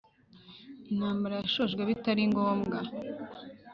intambara yashojwe bitali ngombwa